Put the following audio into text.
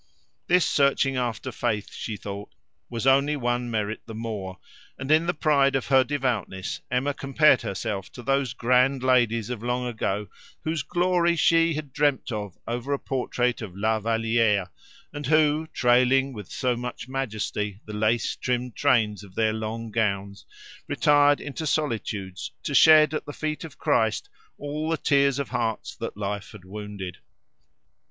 This searching after faith, she thought, was only one merit the more, and in the pride of her devoutness Emma compared herself to those grand ladies of long ago whose glory she had dreamed of over a portrait of La Valliere, and who, trailing with so much majesty the lace trimmed trains of their long gowns, retired into solitudes to shed at the feet of Christ all the tears of hearts that life had wounded.